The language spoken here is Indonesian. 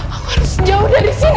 aku harus jauh dari sini